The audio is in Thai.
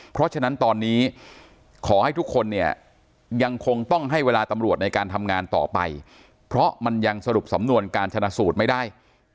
เพราะฉะนั้นตอนนี้ขอให้ทุกคนเนี่ยยังคงต้องให้เวลาตำรวจในการทำงานต่อไปเพราะมันยังสรุปสำนวนการชนะสูตรไม่ได้